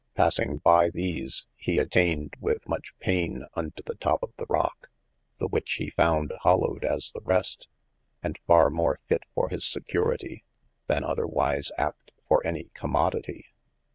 Passing by these hee attayned wyth much payne unto the toppe of the Rocke, the which hee found hollowed as the rest, and farre more fite for hys security, than otherwise apt for any commodity.